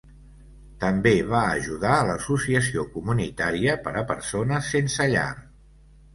També va ajudar l'Associació Comunitària per a Persones Sense Llar.